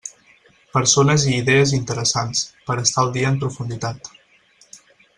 Persones i idees interessants, per estar al dia en profunditat.